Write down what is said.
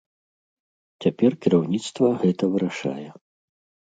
Цяпер кіраўніцтва гэта вырашае.